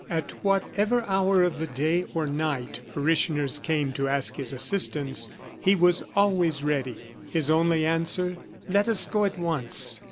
At whatever hour of the day or night parishioners came to ask his assistance, he was always ready his only answer: "Let us go at once."